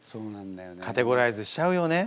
カテゴライズしちゃうよね。